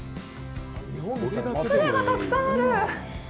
船がたくさんある。